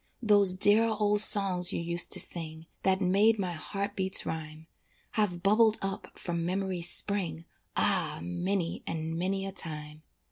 Those dear old songs you used to sing, That made my heart beats rhyme, Have bubbled up from memory's spring, Ah! many and many a time.